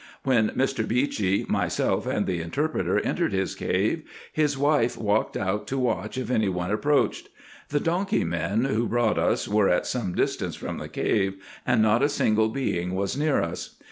When Mr. Beechey, myself, and the interpreter, entered his cave, his wife walked out to watch if any one approached. The donkey men, who brought us, were at some distance from the cave, and not a single being was near us.